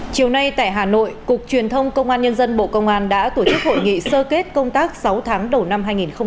chiều nay tại hà nội cục truyền thông công an nhân dân bộ công an đã tổ chức hội nghị sơ kết công tác sáu tháng đầu năm hai nghìn hai mươi ba